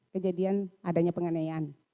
kejadian adanya pengenayaan